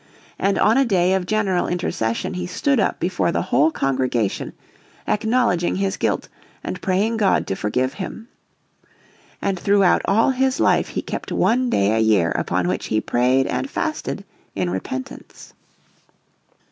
And on a day of general intercession he stood up before the whole congregation, acknowledging his guilt and praying God to forgive him. And throughout all his life he kept one day a year upon which he prayed and fasted in repentance.